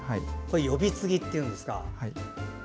呼び継ぎっていうんですか。